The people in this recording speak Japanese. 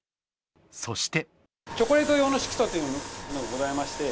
そして。